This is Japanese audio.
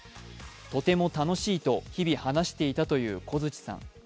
とても楽しいと日々話していたという小槌さん。